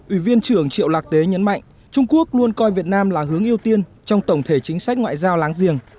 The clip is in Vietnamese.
ủy viên trưởng triệu lạc tế nhấn mạnh trung quốc luôn coi việt nam là hướng ưu tiên trong tổng thể chính sách ngoại giao láng giềng